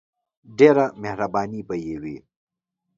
ډیره مهربانی به یی وی.